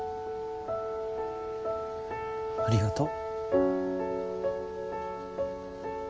ありがとう。